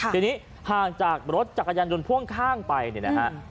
ทีนี้ห่างจากรถจักรยันย์จนพ่วงข้างไปนะครับ